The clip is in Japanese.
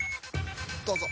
どうぞ。